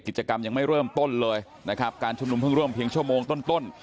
กิจกรรมยังไม่เริ่มต้นเลยนะครับการชุมนุมเพิ่งเริ่มเพียงชั่วโมงต้น